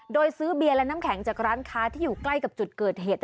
โดยซื้อเบียร์และน้ำแข็งจากร้านค้าที่อยู่ใกล้กับจุดเกิดเหตุ